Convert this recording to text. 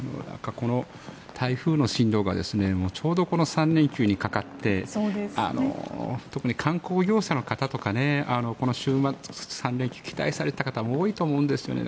台風の進路がちょうど３連休にかかって特に観光業者の方とかはこの週末、３連休に期待されていた方も多いと思うんですよね。